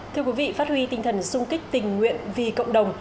thưa quý vị phát huy tinh thần sung kích tình nguyện vì cộng đồng